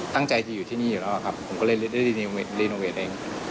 ตั้งใจที่อยู่ที่นี่อยู่แล้วอะครับผมก็เลยเอง